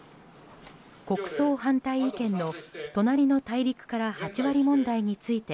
国葬反対意見の隣の大陸から８割問題について